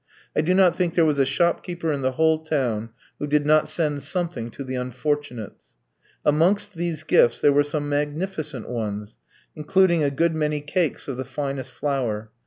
I do not think there was a shop keeper in the whole town who did not send something to the "unfortunates." Amongst these gifts there were some magnificent ones, including a good many cakes of the finest flour.